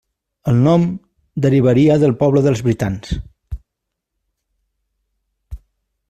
El nom derivaria del poble dels britans.